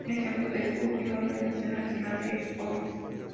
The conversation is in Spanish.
Un ejemplo de esto último es la edición original de "El hobbit".